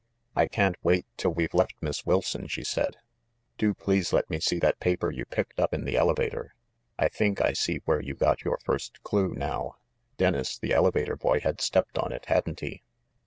"I can't wait till we've left Miss Wilson," she said. 4o6 THE MASTER OF MYSTERIES "Do please let me see that paper you picked up in the elevator. I think I see where you got your first clue, now. Dennis, the elevator boy, had stepped on it, hadn't he?"